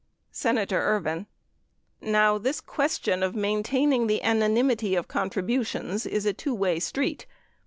Senator Ervin. Now, this question of maintaining the anonymity of contributions is a two way street.